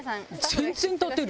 全然立てる！